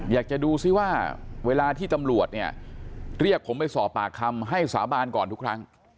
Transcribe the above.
อยากจะดูซิว่าเวลาที่ตำรวจเนี่ยเรียกผมไปสอบปากคำให้สาบานก่อนทุกครั้ง